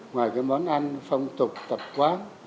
ngoài cái món ăn phong tục tập quán